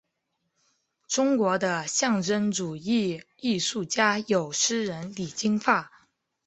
中国的象征主义艺术家有诗人李金发。